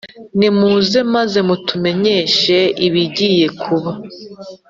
Nimuze maze mutumenyeshe ibigiye kuba.